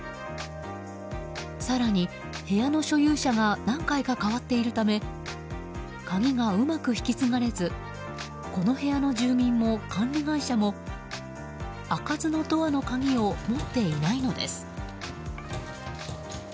更に部屋の所有者が何回か変わっているため鍵がうまく引き継がれずこの部屋の住民も管理会社も開かずのドアの鍵を持っていないのです。